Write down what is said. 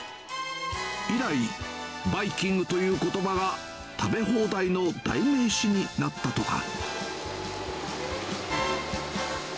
以来、バイキングということばが食べ放題の代名詞になったとか。